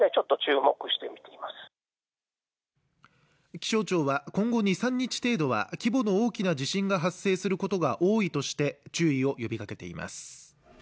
気象庁は今後２３日程度は規模の大きな地震が発生することが多いとして注意を呼びかけています